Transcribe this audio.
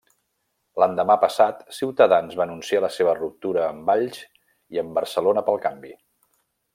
L'endemà passat, Ciutadans va anunciar la seva ruptura amb Valls i amb Barcelona pel Canvi.